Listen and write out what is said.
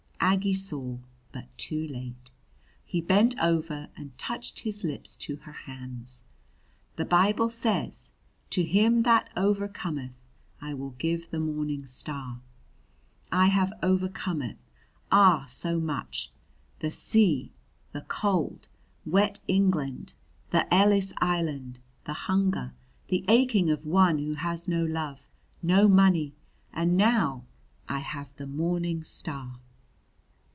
Aggie saw but too late. He bent over and touched his lips to her hands. "The Bible says: 'To him that overcometh I will give the morning star!' I have overcometh ah, so much! the sea; the cold, wet England; the Ellis Island; the hunger; the aching of one who has no love, no money! And now I have the morning star!"